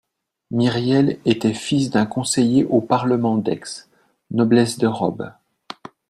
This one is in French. Myriel était fils d'un conseiller au parlement d'Aix, noblesse de robe